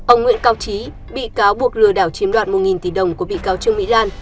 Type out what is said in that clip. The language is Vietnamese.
ông nguyễn cao trí bị cáo buộc lừa đảo chiếm đoạt một tỷ đồng của bị cáo trương mỹ lan